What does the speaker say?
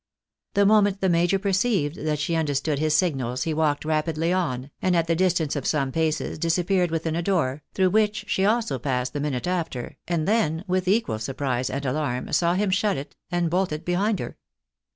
The moment the major perceived that she understood his signals, he walked rapidly on, and at the distance of some paces disappeared 308 THE BAENABYS IN AMERICA. within a door, tlirough which she also passed the minute after, and then, with equal surprise and alarm, saw him shut and bolt it be hind her.